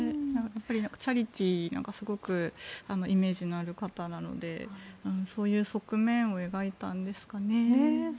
チャリティーのすごくイメージがある方なのでそういう側面を描いたんですかね。